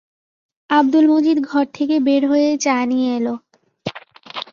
আব্দুল মজিদ ঘর থেকে বের হয়েই চা নিয়ে এল।